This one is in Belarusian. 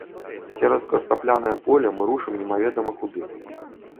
Цераз картаплянае поле мы рушым немаведама куды.